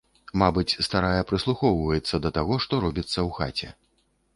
Мабыць, старая прыслухоўваецца да таго, што робіцца ў хаце.